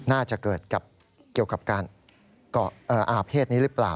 น่าจะเกิดเกี่ยวกับการเกาะอาเภษนี้หรือเปล่า